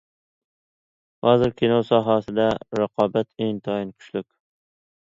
ھازىر كىنو ساھەسىدە رىقابەت ئىنتايىن كۈچلۈك.